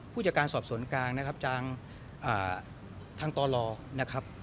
ผู้จัดการสอบสวนกลางนะครับทางตลนะครับ